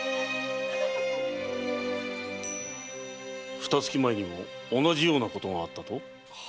二月前にも同じようなことがあったと？